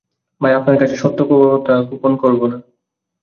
ভাই, আপনার কাছে সত্য কথা গোপন করব না।